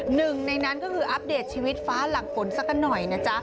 หนึ่งในนั้นก็คืออัปเดตชีวิตฟ้าหลังฝนสักกันหน่อยนะจ๊ะ